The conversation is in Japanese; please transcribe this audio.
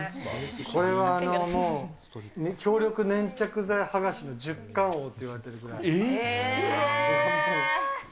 これはもう、強力粘着剤剥がしの１０冠王といわれているぐらい。